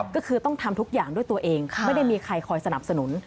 ก็คือต้องทำทุกอย่างด้วยตัวเองไม่ได้มีใครคอยสนับสนุน